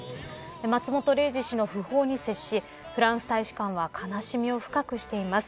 松本零士氏の訃報に接しフランス大使館は悲しみを深くしています。